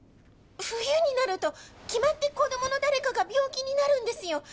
冬になると決まって子どもの誰かが病気になるんですよ。